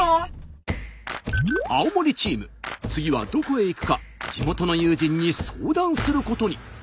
青森チーム次はどこへ行くか地元の友人に相談することに。